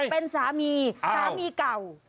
เป็นสามีกล่าว